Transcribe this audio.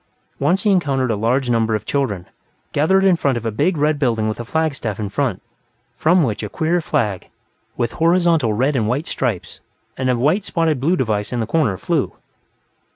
Once he encountered a large number of children, gathered in front of a big red building with a flagstaff in front, from which a queer flag, with horizontal red and white stripes and a white spotted blue device in the corner, flew.